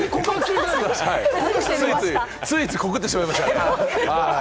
ついつい告ってしまいましたね。